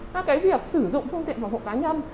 cái việc sử dụng phương tiện phòng hộ cá nhân